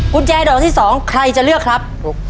กุญแจดอกที่๒ใครจะเลือกครับ